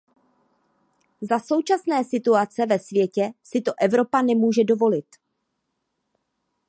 Za současné situace ve světě si to Evropa nemůže dovolit.